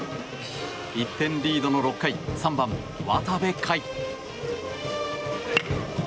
１点リードの６回３番の渡部海。